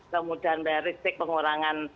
kemudahan bayar risik pengurangan